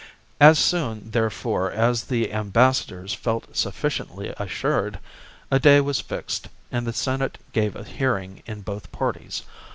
As soon, therefore, as the ambassadors felt sufficiently assured, a day was fixed, and the Senate gave a hearing to both parties.